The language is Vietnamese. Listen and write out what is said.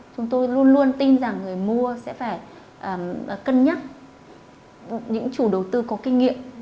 chúng tôi luôn luôn tin rằng người mua sẽ phải cân nhắc những chủ đầu tư có kinh nghiệm